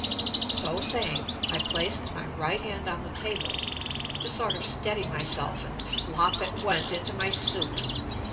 So saying, I placed my right hand on the table to sort of steady myself and flop it went into my soup.